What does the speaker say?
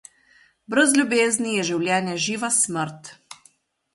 Brez ljubezni je življenje živa smrt.